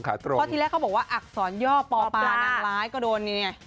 เพราะที่แรกเขาบอกว่าอักษรย่อปอปานางร้ายก็โดนนี่ไง